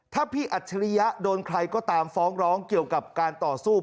ถ้าพี่อัจฉริยะโดนใครก็ตามฟ้องร้องเกี่ยวกับการต่อสู้